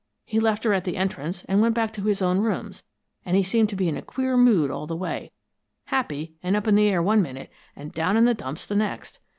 He left her at the entrance and went back to his own rooms, and he seemed to be in a queer mood all the way happy and up in the air one minute, and down in the dumps the next.